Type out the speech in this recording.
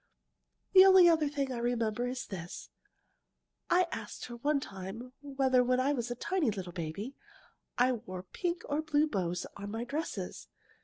The only other thing I remember is this. I asked her one time whether, when I was a tiny little baby, I wore pink or blue bows on my dresses.